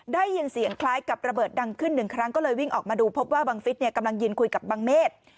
ได้ยินเสียงคล้ายกับระเบิดดังขึ้นหนึ่งครั้งก็เลยวิ่งออกมาดูพบว่าบังฟิศกำลังยืนคุยกับบังเมฆ